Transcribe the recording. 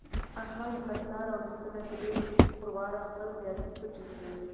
احمد له پلار او نیکه نه درې خرواره خپل ذاتي پټی لري.